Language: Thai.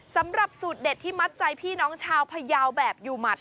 สำหรับสูตรเด็ดที่มัดใจพี่น้องชาวพยาวแบบยูมัด